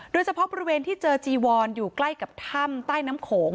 โดยเฉพาะบริเวณที่เจอจีวอนอยู่ใกล้กับถ้ำใต้น้ำโขง